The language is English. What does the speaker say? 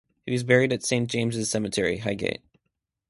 He was buried at Saint James's cemetery, Highgate.